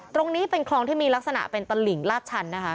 ตรงนี้เป็นคลองที่มีลักษณะเป็นตลิ่งลาดชันนะคะ